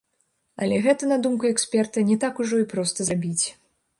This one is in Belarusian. Але гэта, на думку эксперта, не так ужо і проста зрабіць.